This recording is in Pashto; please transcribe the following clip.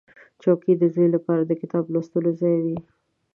چوکۍ د زوی لپاره د کتاب لوست ځای وي.